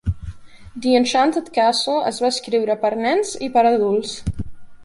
"The Enchanted Castle" es va escriure per nens i per adults.